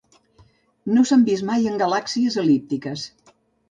No s'han vist mai en galàxies el·líptiques.